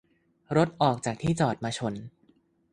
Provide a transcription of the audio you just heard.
- รถออกจากที่จอดมาชน